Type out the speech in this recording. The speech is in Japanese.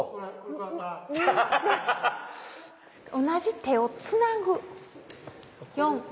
同じ手をつなぐ？